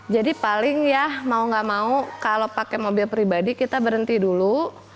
jadi paling ya mau nggak mau kalau pakai mobil pribadi kita berhenti dulu